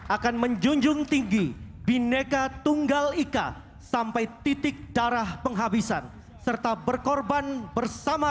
akan menjunjung tinggi bineka tunggal ika sampai titik darah penghabisan serta berkorban bersama